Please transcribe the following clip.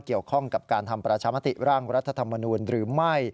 เกี่ยวข้องกับการทำประชามติร่างรัฐธรรมนูลหรือไม่